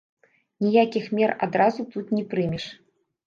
Ніякіх мер адразу тут не прымеш.